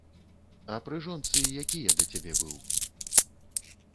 А пры жонцы які я да цябе быў?